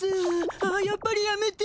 あやっぱりやめて。